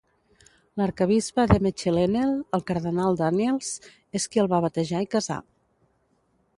L'arquebisbe de Mechelenel, el cardenal Danneels, és qui el va batejar i casar.